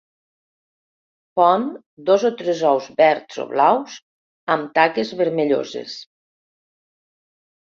Pon dos o tres ous verds o blaus amb taques vermelloses.